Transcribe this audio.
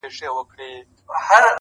جونګړه د زمرو ده څوک به ځي څوک به راځي!.